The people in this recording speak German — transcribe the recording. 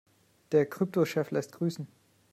Der Kryptochef lässt grüßen.